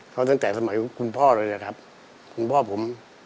เขาตั้งแต่สมัยคุณพ่อเลยนะครับคุณพ่อผม